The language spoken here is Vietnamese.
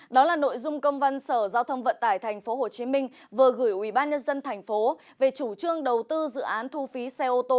đó là nội dung công văn sở giao thông vận tải tp hcm vừa gửi ủy ban nhân dân tp hcm về chủ trương đầu tư dự án thu phí xe ô tô